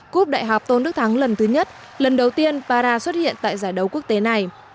cúp đại học tôn đức thắng lần thứ nhất lần đầu tiên para xuất hiện tại giải đấu quốc tế này